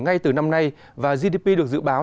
ngay từ năm nay và gdp được dự báo